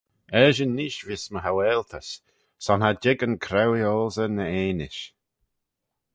Eshyn neesht vees my haualtys: son cha jig yn crauee-oalsey ny enish.